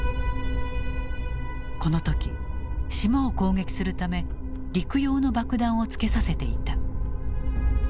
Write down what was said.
この時島を攻撃するため陸用の爆弾をつけさせていた。